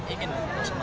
ingin berjalan bersama